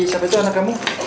siapa itu anak kamu